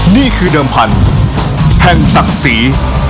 นี่คือเดิมพันธุ์แห่งศักดิ์ศรี